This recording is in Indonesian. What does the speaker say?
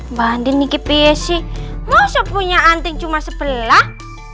mbak andin ini pia sih masa punya anting cuma sebelah